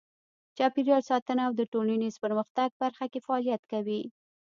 چاپیریال ساتنه او د ټولنیز پرمختګ برخه کې فعالیت کوي.